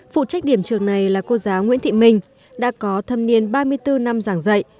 phụ trách điểm trường này là cô giáo nguyễn thị minh đã có thâm niên ba mươi bốn năm giảng dạy